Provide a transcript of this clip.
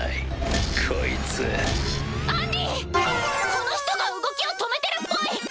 この人が動きを止めてるっぽい！